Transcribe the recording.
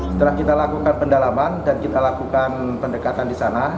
setelah kita lakukan pendalaman dan kita lakukan pendekatan di sana